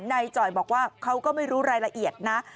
จ่อยบอกว่าเขาก็ไม่รู้รายละเอียดนะ